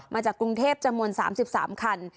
มาจากกรุงเทศสั่นถาววัน๓๓คัน